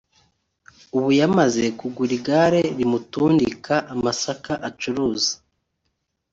ubu yamaze kugura igare rimutundika amasaka acuruza